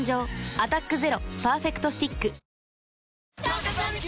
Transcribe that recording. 「アタックＺＥＲＯパーフェクトスティック」・チャー活アニキ！